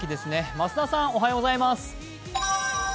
増田さん、おはようございます。